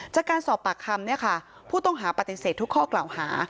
จากการสอบปากคำผู้ต้องหาปฏิเสธทุกข้อกล่าวหา